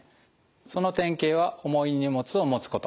その典型は重い荷物を持つこと。